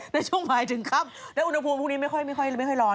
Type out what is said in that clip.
ในช่วงหมายถึงค่ำและอุณหภูมิพวกนี้ไม่ค่อยร้อน